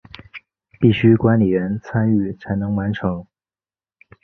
必须管理员参与才能完成。